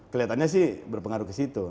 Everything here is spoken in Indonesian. kelihatannya sih berpengaruh ke situ